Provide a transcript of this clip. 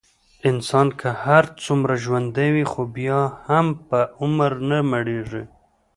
انسان که هرڅومره ژوندی وي، خو بیا هم په عمر نه مړېږي.